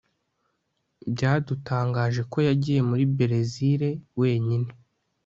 Byadutangaje ko yagiye muri Berezile wenyine